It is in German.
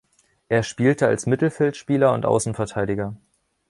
Er spielte als Mittelfeldspieler und Außenverteidiger.